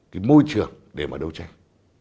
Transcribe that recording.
cái môi trường để mà đấu tranh